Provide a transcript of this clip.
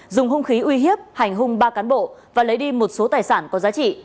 dùng hung khí uy hiếp hành hung ba cán bộ và lấy đi một số tài sản có giá trị